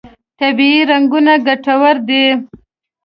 طبیعي رنګونه ګټور دي.